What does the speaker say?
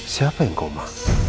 siapa yang koma